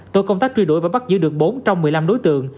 tổ công tác truy đuổi và bắt giữ được bốn trong một mươi năm đối tượng